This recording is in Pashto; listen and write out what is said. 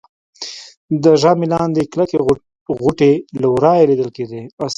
د ژامې لاندې يې کلکې غوټې له ورایه لیدل کېدلې